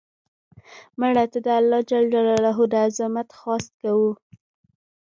مړه ته د الله ج د عظمت خواست کوو